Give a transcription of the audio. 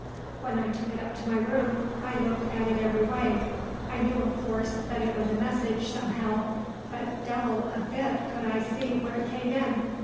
When I took it up to my room, I looked at it every way. I knew, of course, that it was a message, somehow, but devil a bit could I see where it came in.